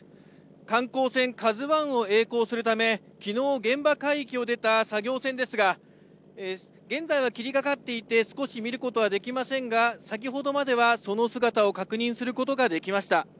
観光船ＫＡＺＵＩをえい航するためきのう現場海域を出た作業船ですが現在は霧がかっていて少し見ることはできませんが先ほどまではその姿を確認することができました。